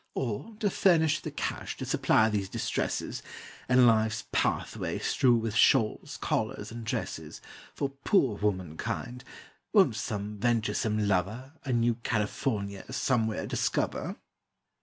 Or, to furnish the cash to supply these distresses, And life's pathway strew with shawls, collars, and dresses, For poor womankind, won't some venturesome lover A new California somewhere discover?